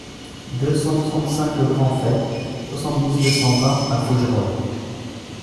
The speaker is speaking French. deux cent soixante-cinq le Grand Fays, soixante-dix, deux cent vingt à Fougerolles